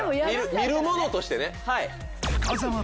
見るものとしてね。